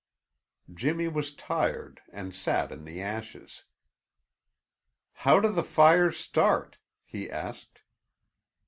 Jimmy was tired and sat in the ashes. "How do the fires start?" he asked.